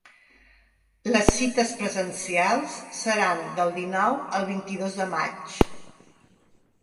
Les cites presencials seran del dinou al vint-i-dos de maig.